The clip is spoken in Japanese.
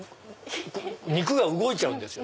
肉が動いちゃうんですよ